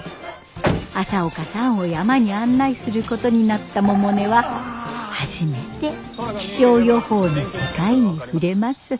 朝岡さんを山に案内することになった百音は初めて気象予報の世界に触れます。